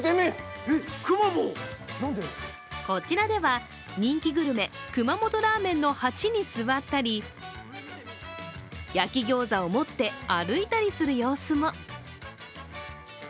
こちらでは、人気グルメ熊本ラーメンの鉢に座ったり焼きギョーザを持って歩いたりする様子も。